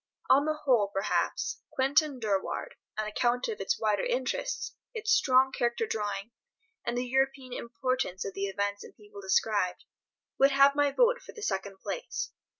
On the whole, perhaps, "Quentin Durward," on account of its wider interests, its strong character drawing, and the European importance of the events and people described, would have my vote for the second place.